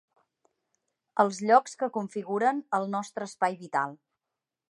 Els llocs que configuren el nostre espai vital.